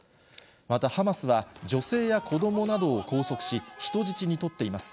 またハマスは、女性や子どもなどを拘束し、人質に取っています。